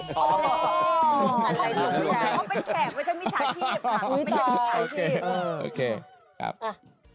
คนขอผมไปแก่มันจะมีสาเหตุ